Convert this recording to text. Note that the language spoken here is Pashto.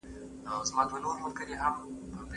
کلتور د ټولنې د بنسټونو په پرتله ډیر بېلابېل ابعاد لري.